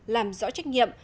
làm rõ trách nhiệm